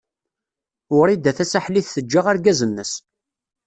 Wrida Tasaḥlit teǧǧa argaz-nnes.